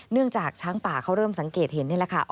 จากช้างป่าเขาเริ่มสังเกตเห็นนี่แหละค่ะ